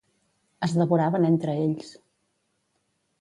Es devoraven entre ells.